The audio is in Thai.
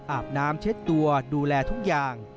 อาบน้ำเช็ดตัวดูแลทุกอย่าง